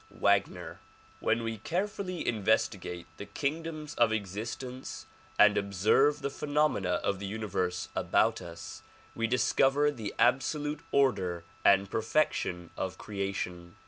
Wagner WHEN we carefully investigate the kingdoms of existence and observe the phenomena of the universe about us, we discover the absolute order and perfection of creation.